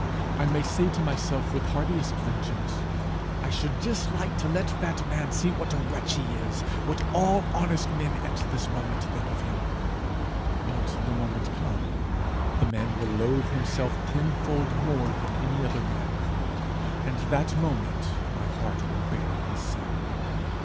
I may say to myself with heartiest vengeance, 'I should just like to let that man see what a wretch he is what all honest men at this moment think of him!' but, the moment come, the man will loathe himself tenfold more than any other man could, and that moment my heart will bury his sin.